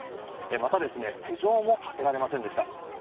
また、手錠もかけられませんでした。